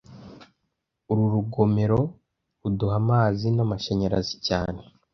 Uru rugomero ruduha amazi n amashanyarazi cyane